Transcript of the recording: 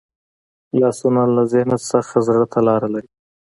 لاسونه له ذهن نه زړه ته لاره لري